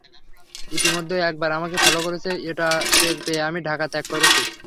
ইতিমধ্যে একবার আমাকে ফলো করেছে, এটা টের পেয়ে আমি ঢাকা ত্যাগ করেছি।